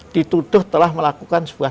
dituduh telah melakukan sebuah